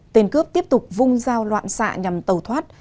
tên cướp tiếp tục vung giao loạn xạ nhằm tẩu thoát